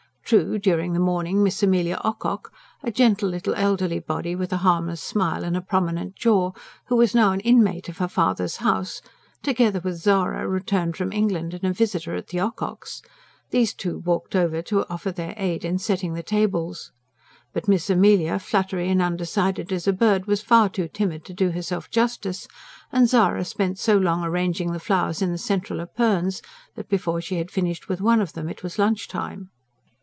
True, during the morning Miss Amelia Ocock, a gentle little elderly body with a harmless smile and a prominent jaw, who was now an inmate of her father's house, together with Zara, returned from England and a visitor at the Ocock's these two walked over to offer their aid in setting the tables. But Miss Amelia, fluttery and undecided as a bird, was far too timid to do herself justice; and Zara spent so long arranging the flowers in the central epergnes that before she had finished with one of them it was lunch time.